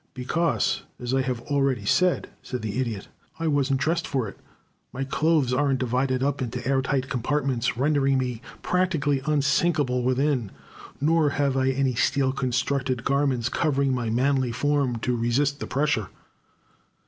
"Because, as I have already said," said the Idiot, "I wasn't dressed for it. My clothes aren't divided up into airtight compartments, rendering me practically unsinkable within, nor have I any steel constructed garments covering my manly form to resist the pressure."